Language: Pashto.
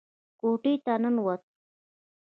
کوټې ته ننوت.